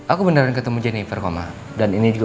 aku beneran ketemu jennifer koma dan ini juga